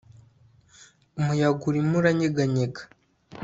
Umuyaga urimo uranyeganyega